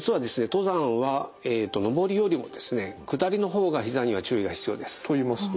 登山は登りよりも下りの方がひざには注意が必要です。といいますと？